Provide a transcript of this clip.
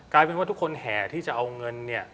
กลายเป็นว่าทุกคนแห่ที่จะเอาเงินเนี่ย